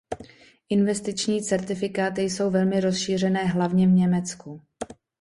Investiční certifikáty jsou velmi rozšířené hlavně v Německu.